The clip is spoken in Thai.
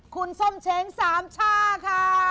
คุณส้มเช้งสามช่าค่ะ